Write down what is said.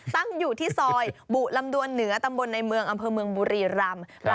ตั้งอยู่ที่ซอยบุลำดวนเหนือตำบลในเมืองอำเภอเมืองบุรีรำ